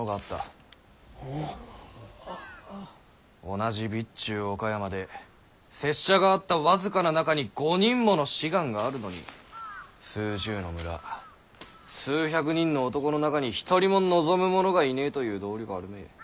同じ備中岡山で拙者が会った僅かな中に５人もの志願があるのに数十の村数百人の男の中に一人も望む者がいねぇという道理はあるめぇ。